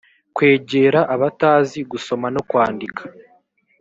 kwegera abatazi gusoma no kwandika